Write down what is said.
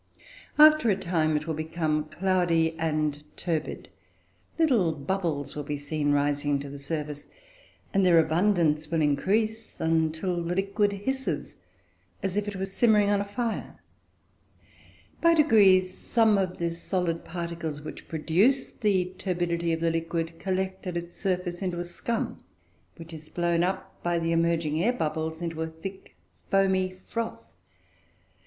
After a time it will become cloudy and turbid; little bubbles will be seen rising to the surface, and their abundance will increase until the liquid hisses as if it were simmering on the fire. By degrees, some of the solid particles which produce the turbidity of the liquid collect at its surface into a scum, which is blown up by the emerging air bubbles into a thick, foamy froth.